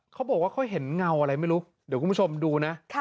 เขาบอกว่าเขาเห็นเงาอะไรไม่รู้เดี๋ยวคุณผู้ชมดูนะ